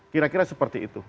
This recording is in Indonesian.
kira kira seperti itu